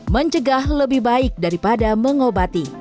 mencegah lebih baik daripada mengobati